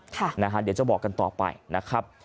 เดี๋ยวจะบอกกันต่อไปนะครับ